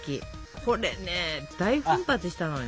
これね大奮発したのよ。